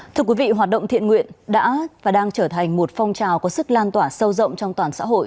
thưa quý vị hoạt động thiện nguyện đã và đang trở thành một phong trào có sức lan tỏa sâu rộng trong toàn xã hội